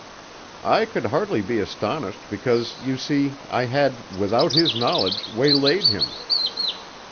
"I could hardly be astonished because you see I had, without his knowledge, waylaid him."